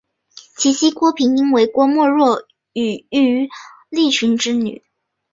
其妻郭平英为郭沫若与于立群之女。